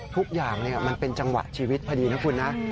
ทุกอย่างมันเป็นจังหวะชีวิตพอดีนะคุณนะ